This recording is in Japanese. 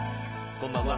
こんばんは。